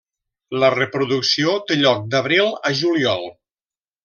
La reproducció té lloc d'abril a juliol.